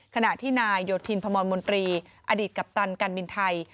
ขณะที่นายโยธินพมอกัปตันการบินไทย